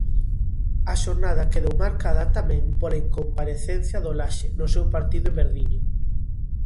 A xornada quedou marcada tamén pola incomparecencia do Laxe no seu partido en Verdillo.